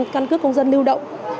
căn cước công dân lưu động